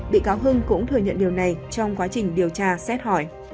bị cáo hưng cũng thừa nhận điều này trong quá trình điều tra xét hỏi